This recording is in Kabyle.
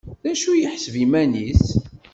D acu i yeḥseb iman-is?